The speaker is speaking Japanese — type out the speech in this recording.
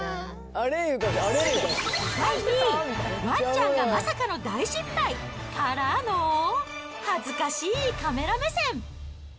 第２位、ワンちゃんがまさかの大失敗からの、恥ずかしいカメラ目線。